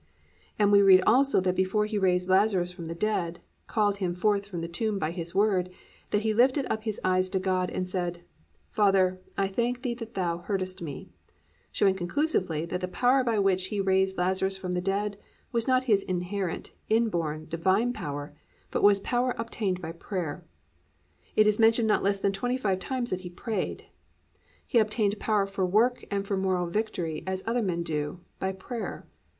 "+ And we read also that before He raised Lazarus from the dead, called him forth from the tomb by His Word, that He lifted up His eyes to God and said, +"Father, I thank thee that thou heardest me,"+ showing conclusively that the power by which He raised Lazarus from the dead was not His inherent, inborn, Divine power, but was power obtained by prayer. It is mentioned not less than twenty five times that He prayed. He obtained power for work and for moral victory as other men do, by prayer.